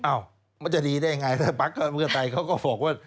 อ้าวมันจะดีได้อย่างไรถ้าภักดิ์เพื่อไทยเขาก็บอกว่า